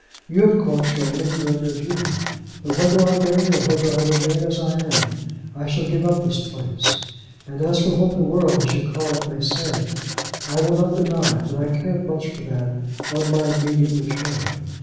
"You, of course, are only doing your duty. But whether I marry or whether I remain as I am, I shall give up this place. And as for what the world, as you call it, may say, I will not deny that I cared much for that on my immediate return.